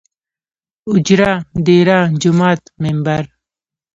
اوجره ، ديره ،جومات ،ممبر